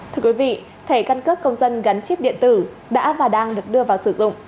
thưa quý vị thẻ căn cước công dân gắn chip điện tử đã và đang được đưa vào sử dụng